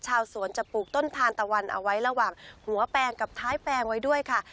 ชาวสวนจะปลูกต้นทานตะวันเอาไว้ระหว่างหัวแปลงกับท้ายแปลงไว้ด้วยค่ะ